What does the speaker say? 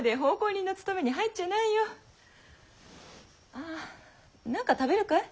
ああ何か食べるかい？